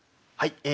はい。